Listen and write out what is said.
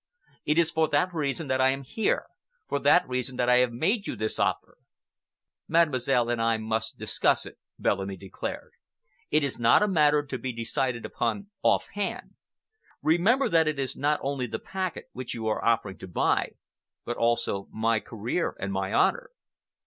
It is for that reason that I am here, for that reason that I have made you this offer." "Mademoiselle and I must discuss it," Bellamy declared. "It is not a matter to be decided upon off hand. Remember that it is not only the packet which you are offering to buy, but also my career and my honor."